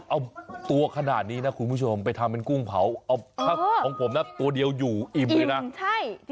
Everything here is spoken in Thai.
เอาตัวขนาดนี้นะคุณผู้ชมไปทำเป็นกุ้งเผาเอาของผมนะตัวเดียวอยู่อิ่มเลยนะใช่